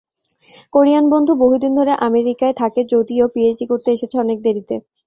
Korean বন্ধু বহুদিন ধরে আমেরিকায় থাকে যদিও পিএইচডি করতে এসেছে অনেক দেরিতে।